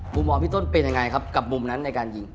มองพี่ต้นเป็นยังไงครับกับมุมนั้นในการยิง